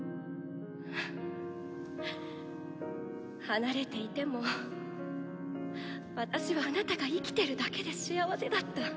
離れていても私はあなたが生きてるだけで幸せだった。